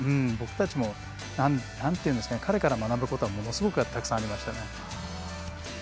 僕たちも彼から学ぶことはものすごくたくさんありましたね。